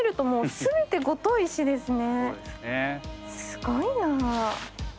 すごいな。